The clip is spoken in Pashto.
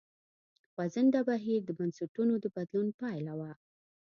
خوځنده بهیر د بنسټونو د بدلون پایله وه.